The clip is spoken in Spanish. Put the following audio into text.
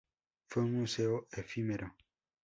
Fue un museo efímero.